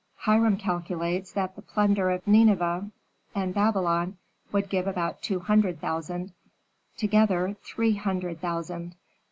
Hiram calculates that the plunder of Nineveh and Babylon would give about two hundred thousand; together, three hundred thousand.